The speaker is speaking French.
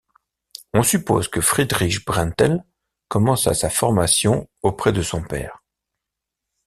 On suppose que Friedrich Brentel commença sa formation auprès de son père.